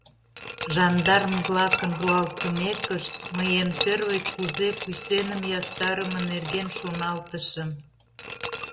— Жандарм-влакын руалтымекышт, мый эн первый кузе кӱсеным ястарыме нерген шоналтышым.